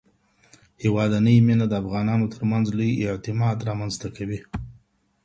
هېوادنۍ مينه د افغانانو ترمنځ لوی اعتماد رامنځته کوي.